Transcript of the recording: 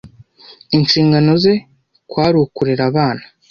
Inshingano ze kwari ukurera abana.